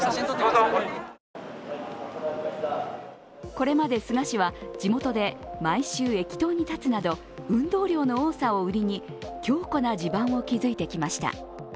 これまで菅氏は地元で毎週、駅頭に立つなど運動量の多さを売りに、強固な地盤を築いてきました。